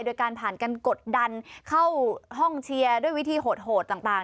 โดยการผ่านการกดดันเข้าห้องเชียร์ด้วยวิธีโหดต่าง